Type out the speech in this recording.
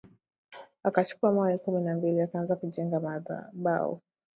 Akachukua mawe kumi na mbili akaanza kujenga madhabau.